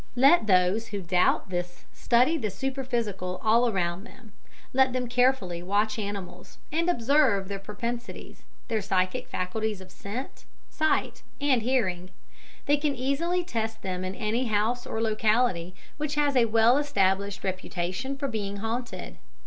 Let those who doubt this study the superphysical all around them. Let them carefully watch animals, and observe their propensities, their psychic faculties of scent, sight, and hearing. They can easily test them in any house or locality which has a well established reputation for being haunted.